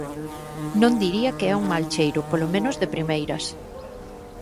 Non diría que é un mal cheiro, polo menos de primeiras.